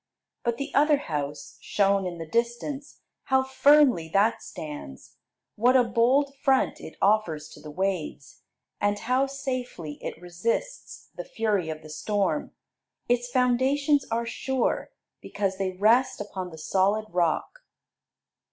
But the other house, shown in the distance: how firmly that stands! What a bold front it offers to the waves, and how safely it resists the fury of the storm. Its foundations are sure, because they rest upon the solid rock.